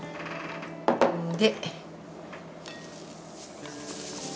で。